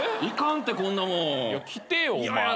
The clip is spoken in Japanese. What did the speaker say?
行かんってこんなもん。来てよ。